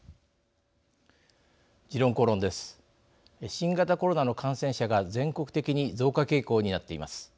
新型コロナの感染者が全国的に増加傾向になっています。